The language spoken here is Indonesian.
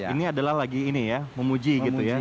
ini adalah lagi ini ya memuji gitu ya